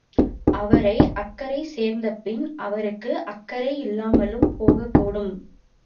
அவரை அக்கரை சேர்ந்தபின் அவருக்கு அக்கறை இல்லாமலும் போகக்கூடும்.